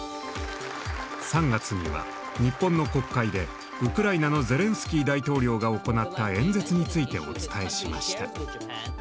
３月には日本の国会でウクライナのゼレンスキー大統領が行った演説についてお伝えしました。